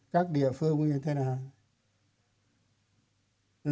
các địa phương như thế nào